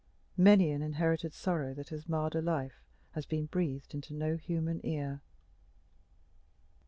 Many an inherited sorrow that has marred a life has been breathed into no human ear.